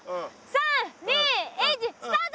３２１スタート！